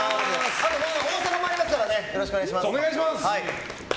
あと大阪もありますからよろしくお願いします。